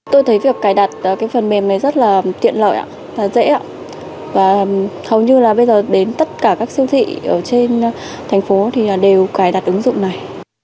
tôi thấy việc cài đặt phần mềm này rất tiện lợi dễ hầu như bây giờ đến tất cả các siêu thị trên thành phố đều cài đặt ứng dụng này